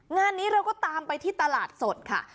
งานนี้เราก็ตามไปที่ตลาดสดค่ะ